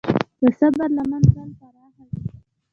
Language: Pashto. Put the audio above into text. د صبر لمن تل پراخه وي.